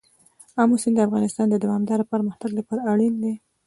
آمو سیند د افغانستان د دوامداره پرمختګ لپاره اړین دي.